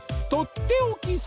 とっておき